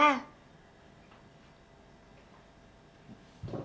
eh sini sini